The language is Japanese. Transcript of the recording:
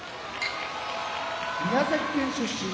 宮崎県出身